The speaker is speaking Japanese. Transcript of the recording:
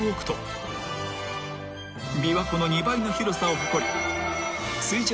［琵琶湖の２倍の広さを誇り水上